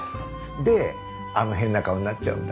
であの変な顔になっちゃうんだ。